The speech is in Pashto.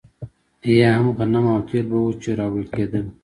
یا هم غنم او تېل به وو چې راوړل کېدل.